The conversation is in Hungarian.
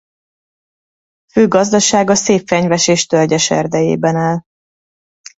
Fő gazdasága szép fenyves és tölgyes erdejében áll.